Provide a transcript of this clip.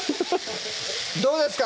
どうですか？